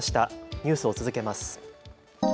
ニュースを続けます。